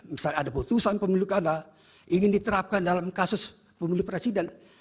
misalnya ada putusan pemilu kada ingin diterapkan dalam kasus pemilu presiden